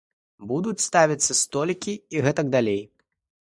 Будуць ставіцца столікі і гэтак далей.